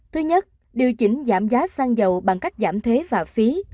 thứ nhất điều chỉnh giảm giá xăng dầu bằng cách giảm thế và phí